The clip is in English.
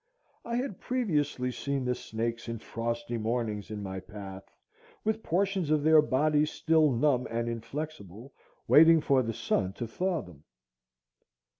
I had previously seen the snakes in frosty mornings in my path with portions of their bodies still numb and inflexible, waiting for the sun to thaw them.